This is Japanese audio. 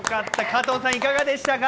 加藤さん、いかがでしたか？